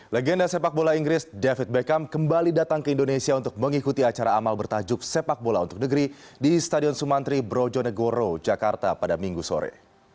legenda sepak bola inggris david beckham kembali datang ke indonesia untuk mengikuti acara amal bertajuk sepak bola untuk negeri di stadion sumantri brojonegoro jakarta pada minggu sore